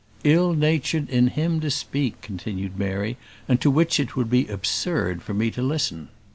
"Ill natured in him to speak," continued Mary, "and to which it would be absurd for me to listen.